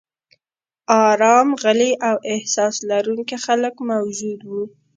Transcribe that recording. ارام، غلي او احساس لرونکي خلک موجود و.